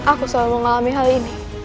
aku selalu mengalami hal ini